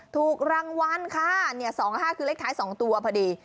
ถูกรางวัลค่ะเนี่ยสองห้าคือเลขท้ายสองตัวพอดี